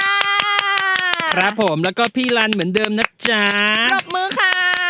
ครับผมแล้วก็พี่ลันเหมือนเดิมนะจ๊ะปรบมือค่ะ